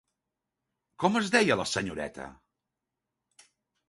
Com es deia la senyoreta?